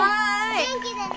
元気でね！